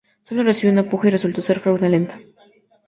Sólo recibió una puja y resultó ser fraudulenta.